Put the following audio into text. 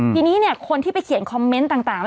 ทีนี้คนที่ไปเขียนคอมเมนต์ต่าง